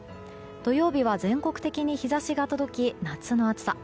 土曜日は全国的に日差しが届き夏の暑さ。